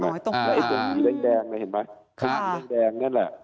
และตรงนี้แดงนั่นแหละ